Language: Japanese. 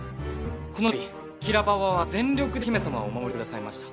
このたびキラパワは全力で姫様をお守りしてくださいました。